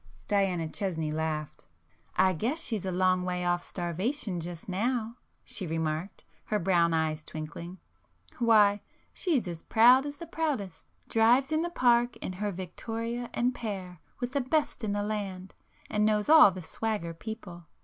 Diana Chesney laughed. "I guess she's a long way off starvation just now,"—she remarked, her brown eyes twinkling—"Why, she's as proud as the proudest,—drives in the Park in her victoria and pair with the best in the land, and knows all the 'swagger' people.